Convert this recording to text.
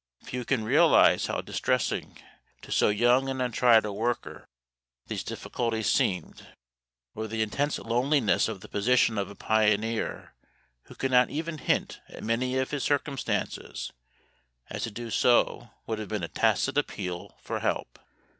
Few can realise how distressing to so young and untried a worker these difficulties seemed, or the intense loneliness of the position of a pioneer who could not even hint at many of his circumstances, as to do so would have been a tacit appeal for help.